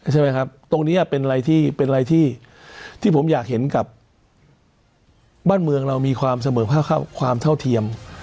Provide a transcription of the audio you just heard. ใช่ไหมครับตรงนี้เป็นอะไรที่เป็นอะไรที่ผมอยากเห็นกับบ้านเมืองเรามีความเสมอความเท่าเทียม